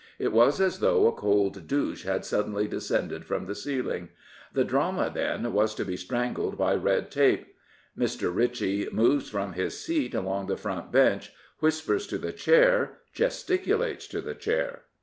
It was as though a cold dou ch e had suddenly descended from the ceiling. The drama, then, was to be strangled by red tape. Mr. Ritchie moves from his seat along the front bench, whispers to the Chair, gesticulates to the Chair.